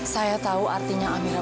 saya tau artinya amira